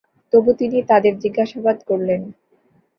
তবু তিনি তাদের জিজ্ঞাসাবাদ করলেন।